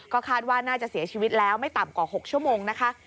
ก็คาดว่าน่าจะเสียชีวิตแล้วไม่ต่ำกว่า๖ชั่วโมงนะคะ